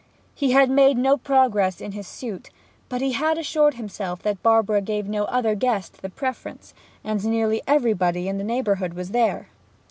He had made no progress in his suit; but he had assured himself that Barbara gave no other guest the preference, and nearly everybody in the neighbourhood was there.